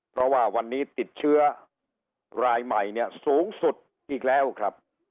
เพราะว่าวันนี้ติดเชื้อรายใหม่เนี่ยสูงสุดอีกแล้วครับ